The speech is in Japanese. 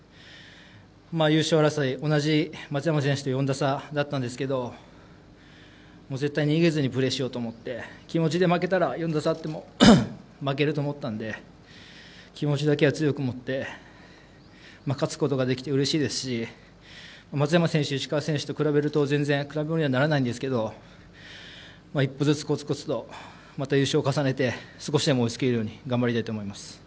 優勝争い、同じ松山選手と４打差だったんですけど絶対、逃げずにプレーしようと思って気持ちで負けたら４打差あっても負けると思ったので気持ちだけは強く持って勝つことができてうれしいですし松山選手、石川選手と比べると全然、比べものにはならないんですけど一歩ずつコツコツとまた優勝を重ねて少しでも追いつけるように頑張りたいと思います。